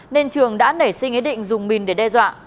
nên trường đã nể sinh ý định dùng mìn để đe dọa